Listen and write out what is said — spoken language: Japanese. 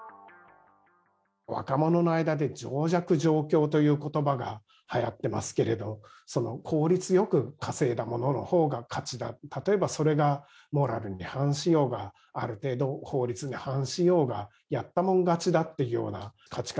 若者の間で情弱情強ということばがはやってますけど、その効率よく稼いだもののほうが勝ちだ、例えばそれがそれがモラルに反しようが、ある程度法律に反しようが、やったもん勝ちだというような価値観